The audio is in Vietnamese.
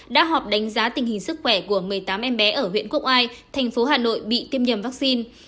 đã họp đánh giá tình hình sức khỏe của một mươi tám em bé ở huyện quốc oai thành phố hà nội bị tiêm nhầm vaccine